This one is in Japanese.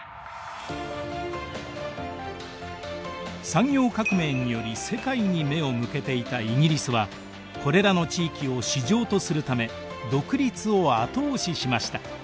産業革命により世界に目を向けていたイギリスはこれらの地域を市場とするため独立を後押ししました。